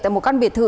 tại một căn biệt thự